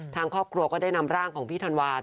ทางครอบครัวก็ได้นำร่างของพี่ธันวา